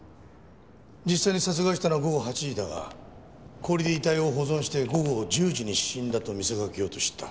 実際に殺害したのは午後８時だが氷で遺体を保存して午後１０時に死んだと見せかけようとした。